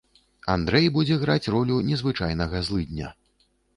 Андрэй будзе граць ролю незвычайнага злыдня.